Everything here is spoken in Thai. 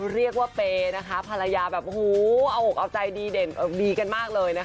เรียกว่าเปย์ภรรยาแบบออกออกใจดีดีกันมากเลย